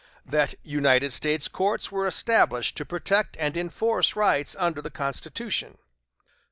That United States courts were established to protect and enforce rights under the Constitution; 3.